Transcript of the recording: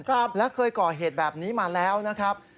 ครับและเคยก่อเหตุแบบนี้มาแล้วนะครับ